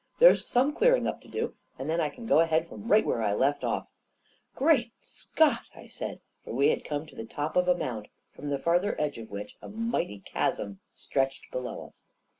There's some clearing up to do, and then I can go ahead from right where I left off." 41 Great Scott 1 " I said, for we had come to the top of a mound from the farther edge of which a mighty chasm stretched below us.